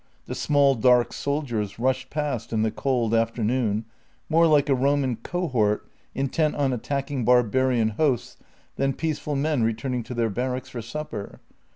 The small, dark soldiers rushed past in the cold afternoon, more like a Roman cohort intent on attacking barbarian hosts than peaceful men returning to their barracks for supper.